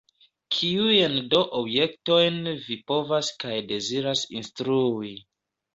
Kiujn do objektojn vi povas kaj deziras instrui?